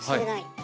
はい。